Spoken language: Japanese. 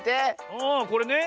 ああこれね。